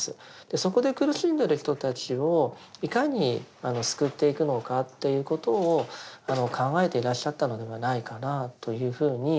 そこで苦しんでる人たちをいかに救っていくのかということを考えていらっしゃったのではないかなというふうに思います。